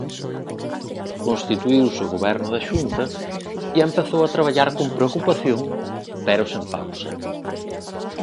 Constituíse o Goberno da Xunta, e empezou a traballar con preocupación, pero sen pausa.